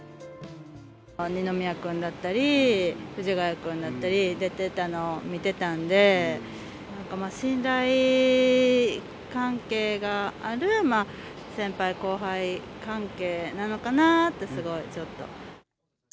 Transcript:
二宮君だったり、藤ヶ谷君だったり出てたのを見てたんで、信頼関係がある先輩後輩関係なのかなって、すごいちょっと。